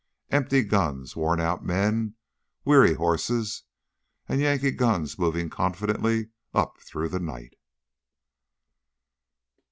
Empty guns, worn out men, weary horses ... and Yankee guns moving confidently up through the night.